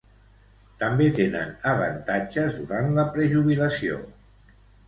També tenen avantatges durant la prejubilació.